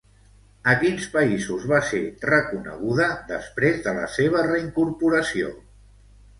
A quins països va ser reconeguda, després de la seva reincorporació?